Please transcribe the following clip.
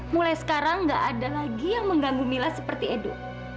mulai sekarang gak ada lagi yang mengganggu mila seperti edo